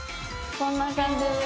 こんな感じです。